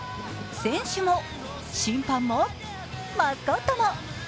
選手も、審判も、マスコットも。